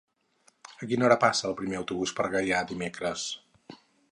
A quina hora passa el primer autobús per Gaià dimecres?